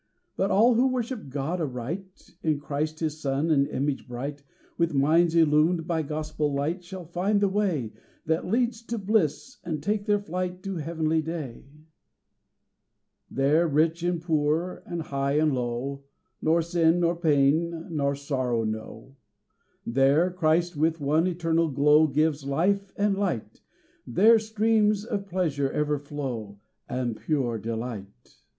But all who worship God aright, In Christ His Son and image bright, With minds illumed by Gospel light, Shall find the way That leads to bliss, and take their flight To heavenly day. There rich and poor, and high and low, Nor sin, nor pain, nor sorrow know: There Christ with one eternal glow Gives life and light There streams of pleasure ever flow, And pure delight.